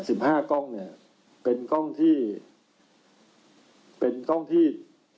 สิบห้ากล้องเนี่ยเป็นกล้องที่เป็นกล้องที่